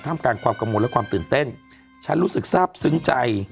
ข้ามกันความกระโมนและความตื่นเต้นฉันรู้สึกทราบซึ้งใจ